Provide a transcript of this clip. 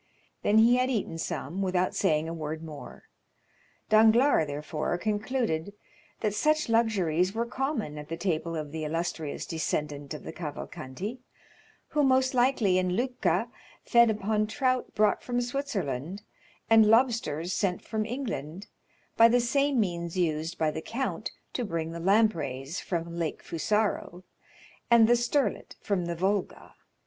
Then he had eaten some without saying a word more; Danglars, therefore, concluded that such luxuries were common at the table of the illustrious descendant of the Cavalcanti, who most likely in Lucca fed upon trout brought from Switzerland, and lobsters sent from England, by the same means used by the count to bring the lampreys from Lake Fusaro, and the sterlet from the Volga.